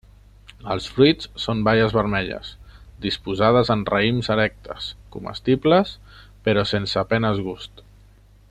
Els fruits són baies vermelles, disposades en raïms erectes, comestibles, però sense a penes gust.